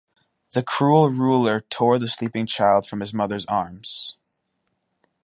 The cruel ruler tore the sleeping child from his mother's arms.